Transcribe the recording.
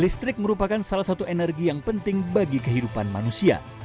listrik merupakan salah satu energi yang penting bagi kehidupan manusia